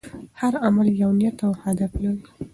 هر عمل یو نیت او هدف لري.